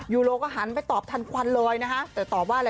ยูโรก็หันไปตอบทันควันเลยนะคะแต่ตอบว่าอะไร